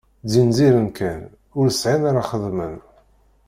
Ttzinziren kan, ur sεin ara xedmen.